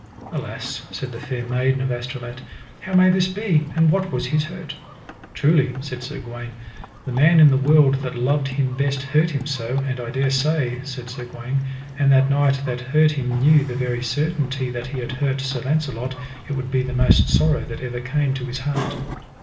Alas, said the Fair Maiden of Astolat, how may this be, and what was his hurt? Truly, said Sir Gawaine, the man in the world that loved him best hurt him so; and I dare say, said Sir Gawaine, an that knight that hurt him knew the very certainty that he had hurt Sir Launcelot, it would be the most sorrow that ever came to his heart.